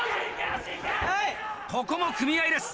ここも組み合いです。